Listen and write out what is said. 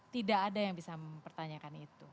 tidak ada yang bisa mempertanyakan itu